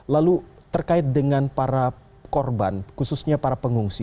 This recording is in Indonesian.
lalu terkait dengan para korban khususnya para pengungsi